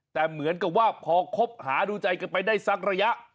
แต่เหมือนกับว่าพอคบหาดูใจกันไปได้สักระยะ